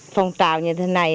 phòng trào như thế này